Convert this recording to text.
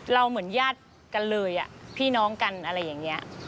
เหมือนญาติกันเลยพี่น้องกันอะไรอย่างนี้